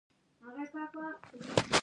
ډرامه باید راتلونکی روښانه کړي